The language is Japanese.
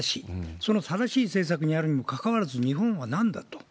その正しい政策であるにもかかわらず、日本はなんだと。